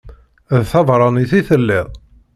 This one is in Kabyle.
D tabeṛṛanit i telliḍ?